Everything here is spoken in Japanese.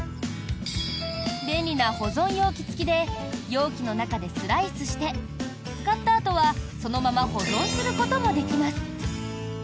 便利な保存容器付きで容器の中でスライスして使ったあとは、そのまま保存することもできます。